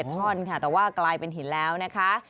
ท่อนค่ะแต่ว่ากลายเป็นหินแล้วนะคะ